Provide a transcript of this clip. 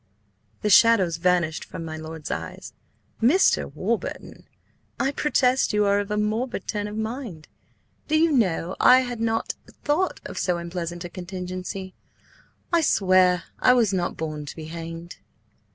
The shadows vanished from my lord's eyes. "Mr. Warburton, I protest you are of a morbid turn of mind! Do you know, I had not thought of so unpleasant a contingency? I swear I was not born to be hanged!"